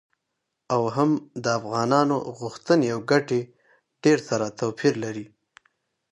او هم د افغانانو غوښتنې او ګټې ډیر سره توپیر لري.